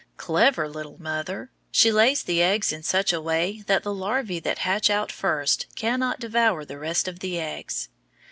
Clever little mother! she lays the eggs in such a way that the larvæ that hatch out first cannot devour the rest of the eggs.